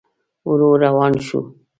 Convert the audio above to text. ورو روان شو.